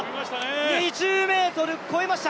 ２０ｍ越えました！